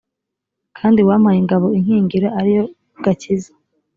kandi wampaye ingabo inkingira ari yo gakiza